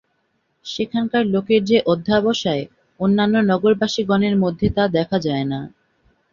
সেখানকার লোকের যে অধ্যবসায়, অন্যান্য নগরবাসিগণের মধ্যে তা দেখা যায় না।